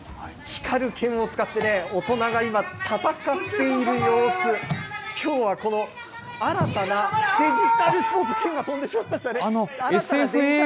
光る剣を使って、大人が今、戦っている様子、きょうはこの新たなデジタルスポーツ、今、剣が飛んでしまいましたね。